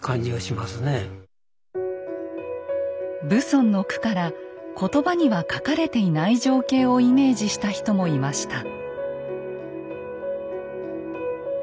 蕪村の句からことばには書かれていない情景をイメージした人もいました。